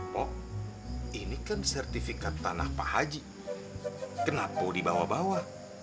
pok ini kan sertifikat tanah pak haji kenapa dibawa bawa